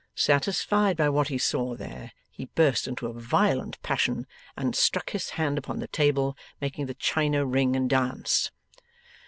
Satisfied by what he saw there, he burst into a violent passion and struck his hand upon the table, making the china ring and dance.